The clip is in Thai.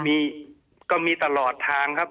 มีก็มีตลอดทางครับ